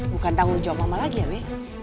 bukan tanggung jawab mama lagi ya be